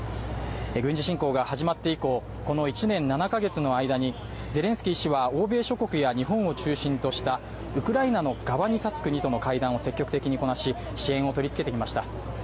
軍事侵攻が始まって以降、この１年７か月の間にゼレンスキー氏は欧米諸国や日本を中心としたウクライナの側に立つ国との会談を積極的にこなし、支援を取り付けてきました。